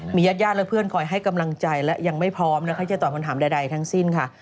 ญาติญาติและเพื่อนคอยให้กำลังใจและยังไม่พร้อมนะคะจะตอบคำถามใดทั้งสิ้นค่ะ